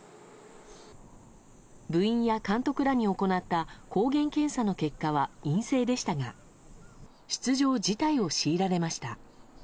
部員や監督らに行った抗原検査の結果は陰性でしたが出場辞退を強いられました。